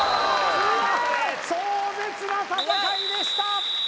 壮絶な戦いでした！